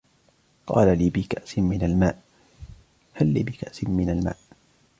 هل لي بكأس من الماء